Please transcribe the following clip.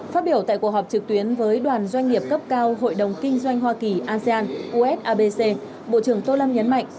phát biểu tại cuộc họp trực tuyến với đoàn doanh nghiệp cấp cao hội đồng kinh doanh hoa kỳ asean usabc bộ trưởng tô lâm nhấn mạnh